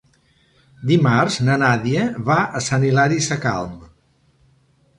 Dimarts na Nàdia va a Sant Hilari Sacalm.